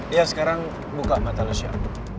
iya sekarang buka mata lo syah